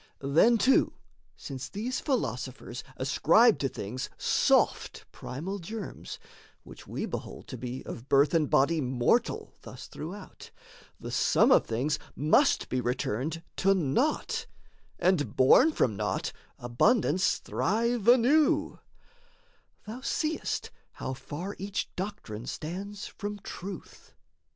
Then, too, Since these philosophers ascribe to things Soft primal germs, which we behold to be Of birth and body mortal, thus, throughout, The sum of things must be returned to naught, And, born from naught, abundance thrive anew Thou seest how far each doctrine stands from truth.